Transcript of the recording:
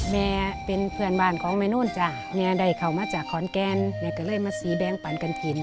แม่เป็นเพื่อนบ้านของแม่นู้นจ้ะแม่ได้เข้ามาจากขอนแกนแม่ก็เลยมาสีแดงปั่นกันกิน